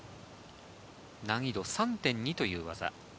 難易度３．２という技。